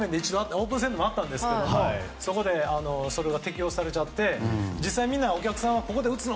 オープン戦でも一度あったんですけどそこでそれが適用されちゃって実際、お客さんは打つの？